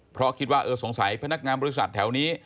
เพราะคิดว่าเออสงสัยพนักงานบริษัทแถวนี้